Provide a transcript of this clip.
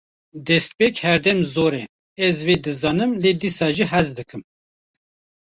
Destpêk herdem zor e, ez vê dizanim lê dîsa jî hez dikim